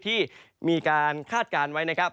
ที่มีการคาดการณ์ไว้นะครับ